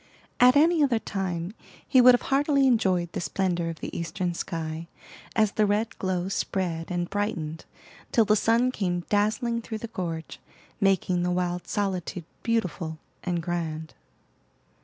At any other time he would have heartily enjoyed the splendor of the eastern sky, as the red glow spread and brightened, till the sun came dazzling through the gorge, making the wild solitude beautiful and grand.